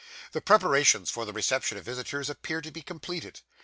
The preparations for the reception of visitors appeared to be completed.